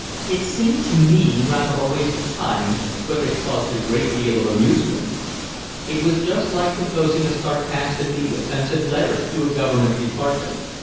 It seemed to me rather a waste of time, but they caused a great deal of amusement. It was just like composing a sarcastically offensive letter to a Government department.